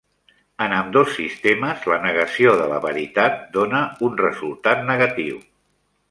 En ambdós sistemes, la negació de la veritat dóna un resultat negatiu.